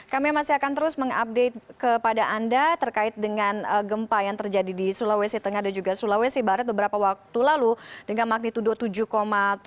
kami masih akan terus mengupdate kepada anda terkait dengan gempa yang terjadi di sulawesi tengah dan juga sulawesi barat beberapa waktu lalu dengan magnitudo tujuh tujuh